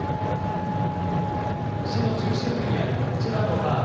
市の中心部にあるこちらのバー。